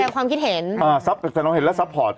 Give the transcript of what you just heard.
แสดงความคิดเห็นแสดงเห็นและซัพพอร์ต